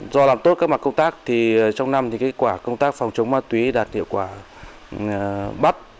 do làm tốt các mặt công tác thì trong năm thì kết quả công tác phòng chống ma túy đạt hiệu quả bắt